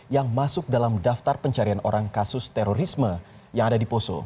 yang masuk dalam daftar pencarian orang kasus terorisme yang ada di poso